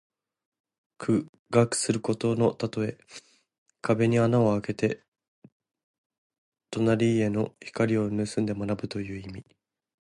苦学することのたとえ。壁に穴をあけて隣家の光をぬすんで学ぶという意味。